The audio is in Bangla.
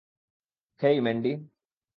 হেই, ম্যান্ডি?